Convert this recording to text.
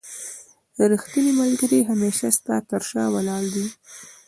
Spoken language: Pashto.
رښتينی ملګری هميشه ستا تر شا ولاړ دی